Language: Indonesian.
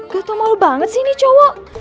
gatau malu banget sih ini cowok